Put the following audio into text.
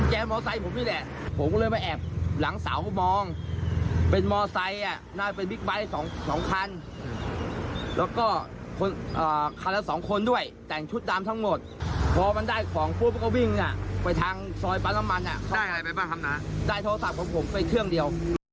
หัวกลัวกลัวแทนเลย